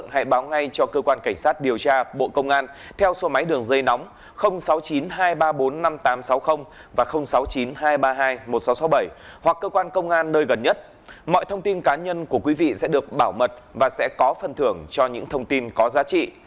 hoặc cơ quan công an nơi gần nhất mọi thông tin cá nhân của quý vị sẽ được bảo mật và sẽ có phần thưởng cho những thông tin có giá trị